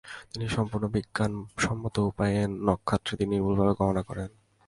তিনি সম্পূর্ণ বিজ্ঞানসম্মত উপায়ে নক্ষত্রাদি নির্ভুলভাবে গণনা করেন।